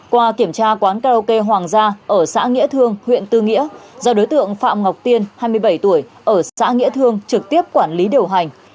qua kiểm tra quán karaoke hoàng gia ở xã nghĩa thương huyện tư nghĩa do đối tượng phạm ngọc tiên hai mươi bảy tuổi ở xã nghĩa thương trực tiếp quản lý điều hành